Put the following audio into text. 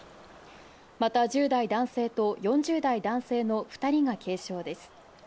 また、１０代男性と４０代男性の２人が軽傷です。